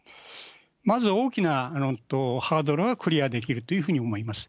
まず大きなハードルはクリアできるというふうに思います。